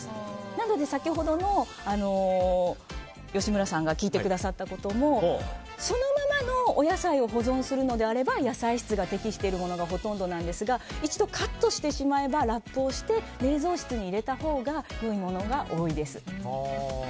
なので、先ほど吉村さんが聞いてくださったこともそのままのお野菜を保存するのであれば野菜室が適しているものがほとんどなんですが一度カットしてしまえばラップをして冷蔵室に入れたほうがいいものが多いです。